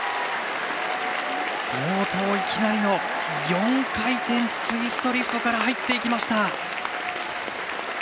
冒頭、いきなりの４回転ツイストリフトから入っていきました。